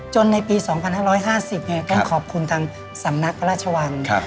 ในปี๒๕๕๐ต้องขอบคุณทางสำนักพระราชวัง